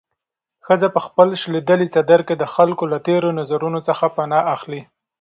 ښځه په خپل شلېدلي څادر کې د خلکو له تېرو نظرونو څخه پناه اخلي.